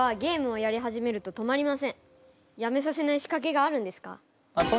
やめさせない仕掛けがあるんですか？